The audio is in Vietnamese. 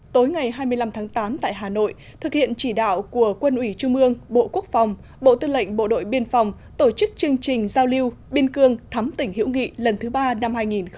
tối ngày hai mươi năm tháng tám tại hà nội thực hiện chỉ đạo của quân ủy trung ương bộ quốc phòng bộ tư lệnh bộ đội biên phòng tổ chức chương trình giao lưu biên cương thắm tỉnh hiễu nghị lần thứ ba năm hai nghìn một mươi chín